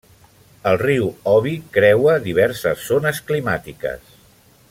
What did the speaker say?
El riu Obi creua diverses zones climàtiques.